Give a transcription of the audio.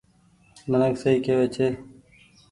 منک سئي ڪيوي ڇي۔